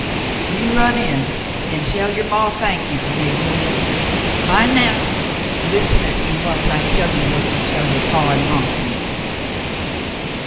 "You run in an' tell yer maw thank you, fer me, will ye ? Mind, now. Listen at me whilst I tell you what to tell yer paw an' maw fer me.